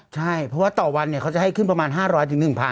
ใช่เพราะว่าต่อวันเนี้ยเขาจะให้ขึ้นประมาณห้าร้อยจึงหนึ่งพัน